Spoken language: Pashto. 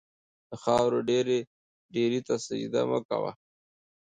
د خاورو ډېري ته سجده مه کوئ.